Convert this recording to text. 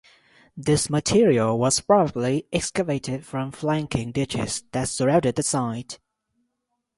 This material was probably excavated from flanking ditches that surrounded the site.